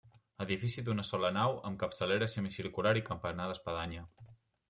Edifici d'una sola nau amb capçalera semicircular i campanar d'espadanya.